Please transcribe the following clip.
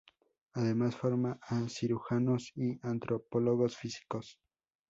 Además, forma a cirujanos y antropólogos físicos.